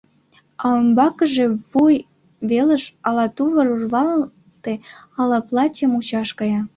А умбакыже, вуй велыш, ала тувыр урвалте, ала платье мучаш кая.